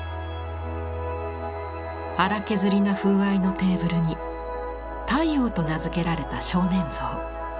粗削りな風合いのテーブルに「太陽」と名付けられた少年像。